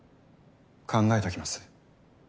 考えておきます。